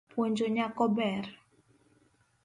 Puonjo nyako ber.